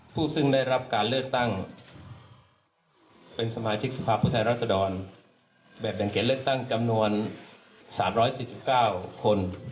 ผู้ซึ่งได้รับการเลือกตั้งเป็นสมาชิกสภาพผู้แทนรัศดรแบบแบ่งเขตเลือกตั้งจำนวน๓๔๙คน